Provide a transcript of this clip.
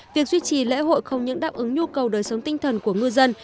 việc duy trì lễ hội không những đáp ứng nhu cầu đời sống tinh thần của ngư dân